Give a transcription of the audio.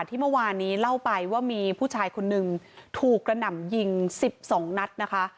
ที่เมื่อวานนี้เล่าไปว่ามีผู้ชายคนหนึ่งถูกกระหน่ำยิง๑๒นัดนะคะ